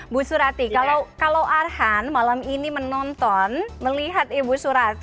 bu surati kalau arhan malam ini menonton melihat ibu surati